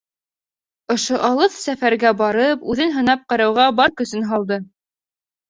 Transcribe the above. Ошо алыҫ сәфәргә барып, үҙен һынап ҡарауға бар көсөн һалды.